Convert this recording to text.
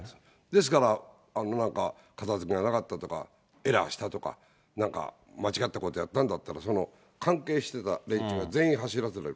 ですから、なんか片づけがなかったとか、エラーしたとか、なんか間違ったことやったんだったら、その関係してた連中が全員走らされる。